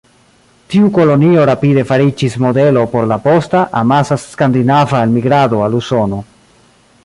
Tiu kolonio rapide fariĝis modelo por la posta, amasa skandinava elmigrado al Usono.